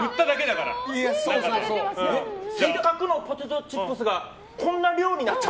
せっかくのポテトチップスがこんな量になっちゃう。